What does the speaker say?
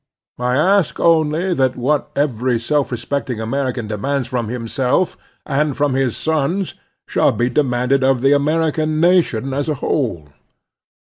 I ask only that what every self respecting American demands 3 4 The Strenuous Life from himself and from his sons shall be demanded of the American nation as a whole.